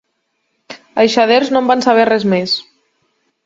A Eixaders no en van saber res més.